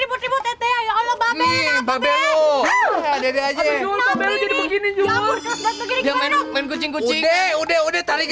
dibut but ya allah babel babel aja jadi begini juga main kucing kucing udah udah udah tarik